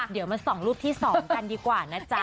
เดี๋ยวมาส่องรูปที่๒กันดีกว่านะจ๊ะ